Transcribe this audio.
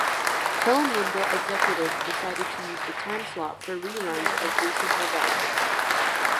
Telemundo executives decided to use the time slot for reruns of recent Novelas.